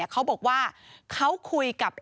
เขาบอกว่าเขาคุยกับ